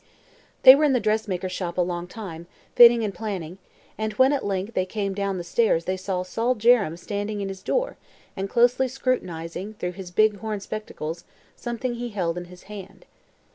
They were in the dressmaker's shop a long time, fitting and planning, and when at length they came down the stairs they saw Sol Jerrems standing in his door and closely scrutinizing through his big horn spectacles something he held in his hand.